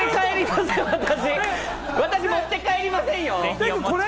私、持って帰りませんよ。